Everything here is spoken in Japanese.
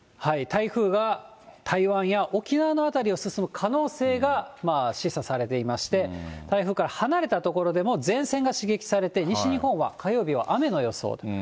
台風が台湾や沖縄の辺りを進む可能性が示唆されていまして、台風から離れた所でも前線が刺激されて、西日本は火曜日は雨の予想と。